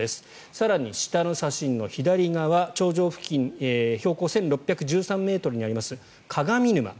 更に下の写真の左側、頂上付近標高１６１３ｍにあります鏡沼。